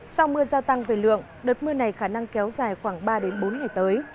sau mưa gia tăng về lượng đợt mưa này khả năng kéo dài khoảng ba bốn ngày tới